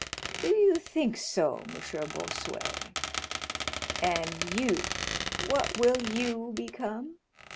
"Do you think so, M. Bossuet? And you—what will you become?